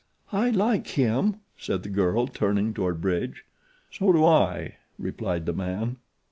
"I like him," said the girl, turning toward Bridge. "So do I," replied the man.